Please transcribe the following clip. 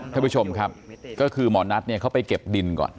ท่านผู้ชมครับก็คือหมอนัทเนี่ยเขาไปเก็บดินก่อน